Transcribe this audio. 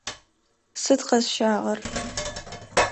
Сыд къэсщагъэр?